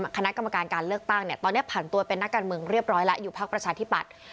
คณะกรรมการการเลือกตั้งเนี่ยตอนนี้ผ่านตัวเป็นนักการเมืองเรียบร้อยแล้วอยู่พักประชาธิปัตย์